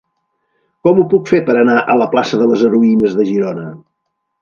Com ho puc fer per anar a la plaça de les Heroïnes de Girona?